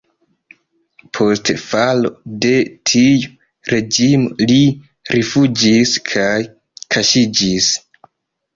Post falo de tiu reĝimo li rifuĝis kaj kaŝiĝis.